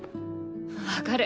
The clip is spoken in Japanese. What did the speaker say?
分かる。